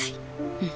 うん。